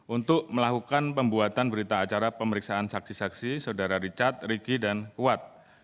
untuk melakukan pembuatan berita acara pemeriksaan saksi saksi saudara richard ricky dan kuat